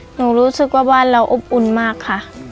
หนูรู้สึกว่าบ้านเราอบอุ่นมากค่ะ